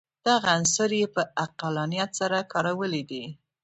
دغه عنصر یې په عقلانیت سره کارولی دی.